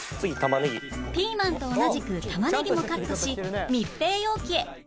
ピーマンと同じく玉ねぎもカットし密閉容器へ